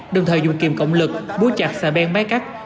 đồng thời dùng kiềm cộng lực búi chặt xà ben máy cắt